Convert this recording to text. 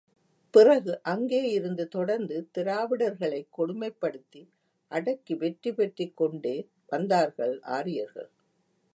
பிறகு, அங்கேயிருந்து தொடர்ந்து திராவிடர்களைக் கொடுமைப்படுத்தி, அடக்கி வெற்றி பெற்றுக் கொண்டே வந்தார்கள் ஆரியர்கள்.